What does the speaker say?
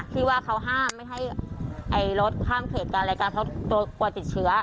ที่ว่าเขาห้ามไม่ได้ให้รถข้ามเครตการแรกฐานเพราะเกิดกวนติดเชื้อ